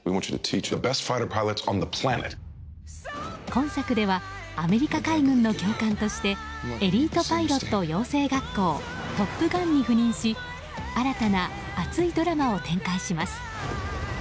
今作ではアメリカ海軍の教官としてエリートパイロット養成学校トップガンに赴任し新たな熱いドラマを展開します。